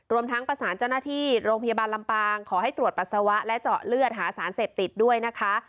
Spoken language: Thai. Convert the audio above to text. ทั้งประสานเจ้าหน้าที่โรงพยาบาลลำปางขอให้ตรวจปัสสาวะและเจาะเลือดหาสารเสพติดด้วยนะคะ